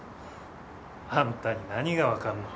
あんたに何が分かんの？